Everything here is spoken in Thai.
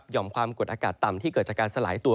ความกดอากาศต่ำที่เกิดจากการสลายตัว